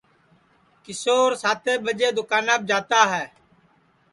کیشور ساتیں ٻجیں دؔوکاناپ جاتا ہے